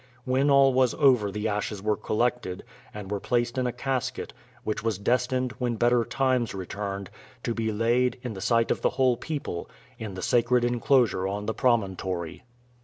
When all was over the ashes were collected and were placed in a casket, which was destined, when better times returned, to be laid, in the sight of the whole people, in the sacred inclosure on the promontory.